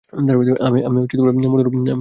আমি মনোরোগ বিশেষজ্ঞ।